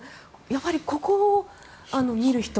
やっぱり、ここを見る人